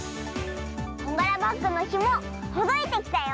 こんがらバッグのひもほどいてきたよ。